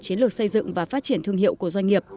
chiến lược xây dựng và phát triển thương hiệu của doanh nghiệp